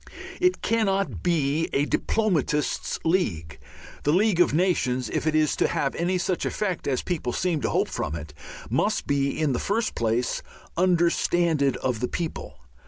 It cannot be a diplomatist's league. The League of Nations, if it is to have any such effect as people seem to hope from it, must be, in the first place, "understanded of the people."